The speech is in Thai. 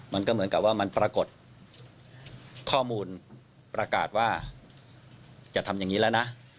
มันก็เหมือนกับว่ามันปรากฏข้อมูลประกาศว่าจะทำอย่างนี้แล้วนะ